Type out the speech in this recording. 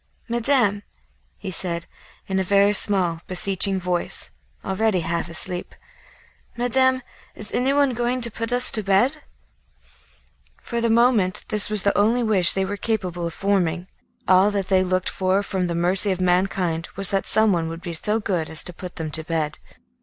"Madame," he said, in a very small, beseeching voice, already half asleep, "Madame, is anyone going to put us to bed?" For the moment this was the only wish they were capable of forming; all that they looked for from the mercy of mankind was that someone would be so good as to put them to bed.